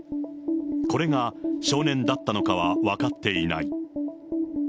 これが少年だったのかは分かっていない。